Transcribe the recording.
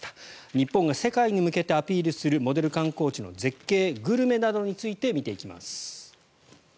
日本が世界に向けてアピールするモデル観光地の絶景、グルメなどについて見ていきます。